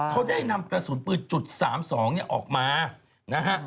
เขาได้นำกระสุนปืนจุด๓๒เนี่ยออกมานะฮะ